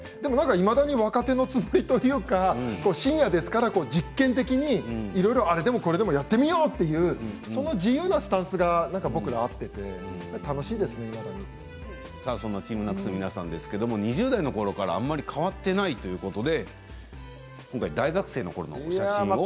いまだに若手のつもりというか深夜ですから実験的にあれもこれもやってみようっていう自由なスタンスがそんなＴＥＡＭＮＡＣＳの皆さんですが２０代のころからあまり変わっていないということで大学生のころのお写真です。